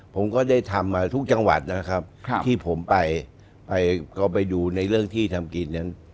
ผมก็ได้ทำมาทุกจังหวัดนะครับที่ผมไปไปก็ไปดูในเรื่องที่ทำกินนั้น